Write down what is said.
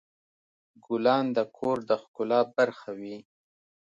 ګلان د کور د ښکلا برخه وي.